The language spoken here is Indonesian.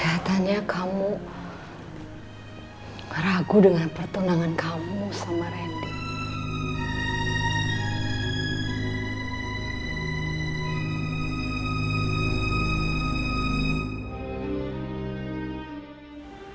hai hai hai hai hai hai hai hai radio indonesia segera sampai jumpa di video selanjutnya terima kasih